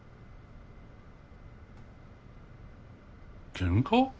ケンカ？